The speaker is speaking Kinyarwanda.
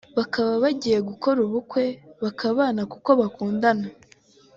bakaba bagiye gukora ubukwe bakabana kuko bakundana